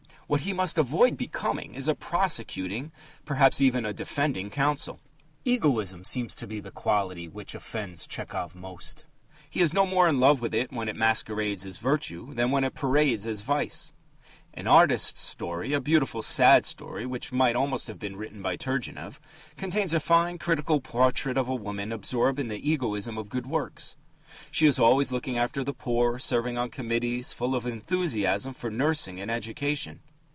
What he must avoid becoming is a prosecuting perhaps even a defending counsel. Egoism seems to be the quality which offends Tchehov most. He is no more in love with it when it masquerades as virtue than when it parades as vice. An Artist's Story a beautiful sad story, which might almost have been written by Turgenev contains a fine critical portrait of a woman absorbed in the egoism of good works. She is always looking after the poor, serving on committees, full of enthusiasm for nursing and education.